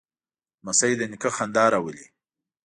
لمسی د نیکه خندا راولي.